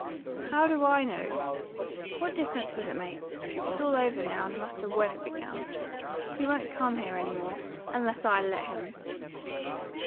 "How do I know? What difference does it make? It's all over now, no matter when it began. He won't come here any more, unless I let him."